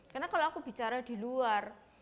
karena kalau aku bicara di luar